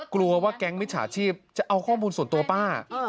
กลัวว่าแก๊งมิจฉาชีพจะเอาข้อมูลส่วนตัวป้า